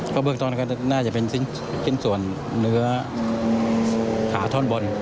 ก็เบือกตอนนี้ก็น่าจะเป็นขึ้นส่วนเนื้อขาเถิดบน